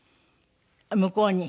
向こうに？